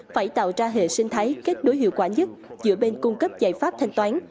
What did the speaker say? phải tạo ra hệ sinh thái kết nối hiệu quả nhất giữa bên cung cấp giải pháp thanh toán